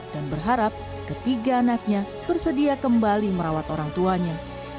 dan berharap ketiga anaknya bersedia kembali merawat orang tuanya